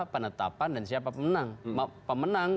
penetapan dan siapa pemenang pemenang